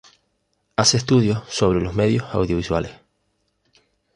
Hace estudios sobre los medios audiovisuales.